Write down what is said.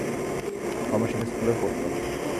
ও আমার সাথে স্কুলে পড়তো।